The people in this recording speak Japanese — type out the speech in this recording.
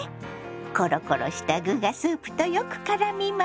コロコロした具がスープとよくからみます。